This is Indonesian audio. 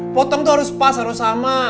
potong tuh harus pas harus sama